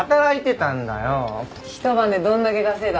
ひと晩でどんだけ稼いだ？